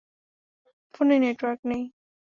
ফোনে নেটওয়ার্ক নেই।